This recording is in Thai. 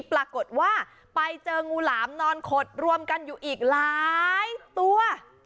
ปรากฏว่าไปเจองูหลามนอนขดรวมกันอยู่อีกหลายตัว